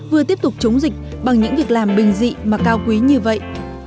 vừa tiếp tục chống dịch bằng những việc làm bình dị mà cao quý như vậy